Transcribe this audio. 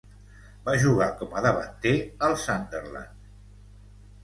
Va jugar com a davanter al Sunderland.